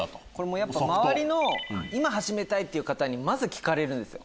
やっぱ周りの今始めたいって方まず聞かれるんですよ。